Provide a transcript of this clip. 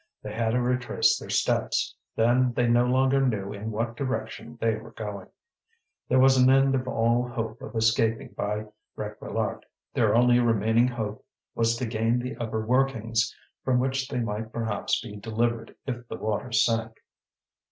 They had to retrace their steps; then they no longer knew in what direction they were going. There was an end of all hope of escaping by Réquillart. Their only remaining hope was to gain the upper workings, from which they might perhaps be delivered if the water sank.